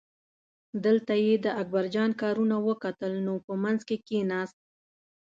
دلته یې د اکبرجان کارونه وکتل نو په منځ کې کیناست.